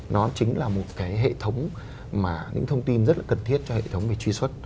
nó chính là một cái hệ thống mà những thông tin rất là cần thiết cho hệ thống về truy xuất